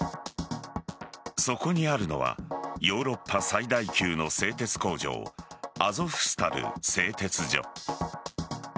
そこにあるのはヨーロッパ最大級の製鉄工場アゾフスタル製鉄所。